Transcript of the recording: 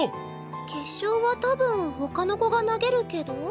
決勝は多分他の子が投げるけど？